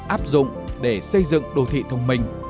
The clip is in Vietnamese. áp dụng để xây dựng đô thị thông minh